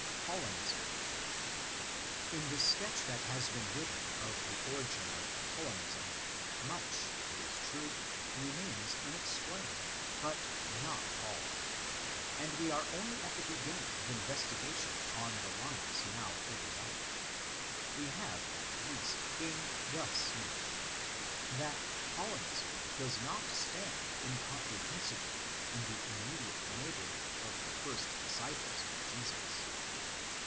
Paulinism. In the sketch that has been given of the origin of Paulinism much, it is true, remains unexplained, but not all. And we are only at the beginning of investi gation on the lines now opened out. We have at least gained thus much: that Paulinism does not stand incomprehensibly in the immediate neighbour hood of the first disciples of Jesus.